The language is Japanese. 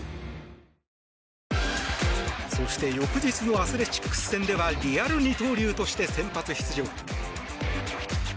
そして翌日のアスレチックス戦ではリアル二刀流として先発出場。